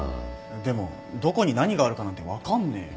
でもどこに何があるかなんて分かんねえよ。